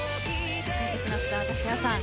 解説の福澤達哉さん